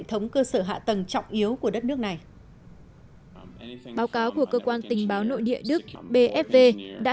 thống cơ sở hạ tầng trọng yếu của đất nước này báo cáo của cơ quan tình báo nội địa đức bfv đã